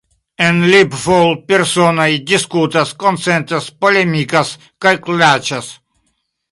En LibFol, personoj diskutas, konsentas, polemikas kaj klaĉas.